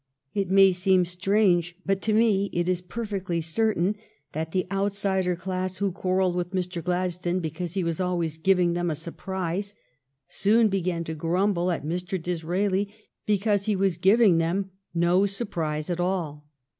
It may seem strange, but to me it is perfectly certain that the outsider class who quar relled with Mr. Gladstone because he was always giving them a surprise soon began to grumble at Mr. Disraeli because he was giving them no surprise at all.